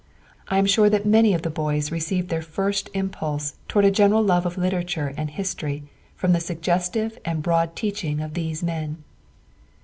I am sure that many of the boys received their first impulse toward a general love of literature and history from the suggestive and broad teaching of these men."